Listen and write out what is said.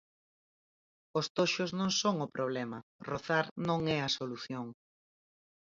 Os toxos non son o problema, rozar non é a solución.